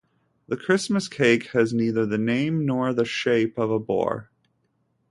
The Christmas cake has neither the name nor the shape of a boar.